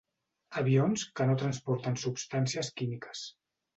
Avions que no transporten substàncies químiques.